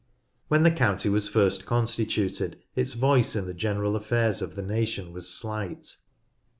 When the county was first constituted its voice in the general affairs of the nation was slight.